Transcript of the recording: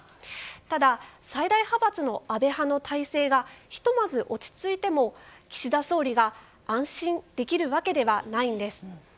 ただ、最大派閥の安倍派の体制がひとまず落ち着いても岸田総理が安心できるわけではないんです。